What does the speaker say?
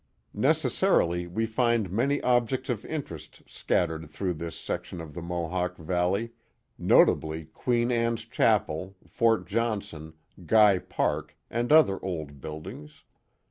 Necessarily we find many objects of interest scattered through this section of the Mohawk Valley, notably Queen Anne's Chapel, Fort Johnson, Guy Park, and other old build ings.